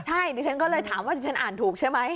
ใช่ดิฉันก็เลยถามว่าที่ฉันอ่านถูกใช่ไหม